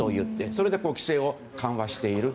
それで規制を緩和している。